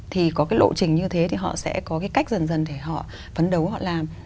thì có cái lộ trình như thế thì họ sẽ có cái cách dần dần để họ phấn đấu họ làm